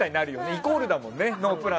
イコールだもんね。